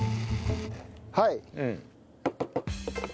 はい。